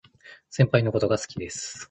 先輩のことが大好きです